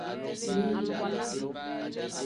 Bii.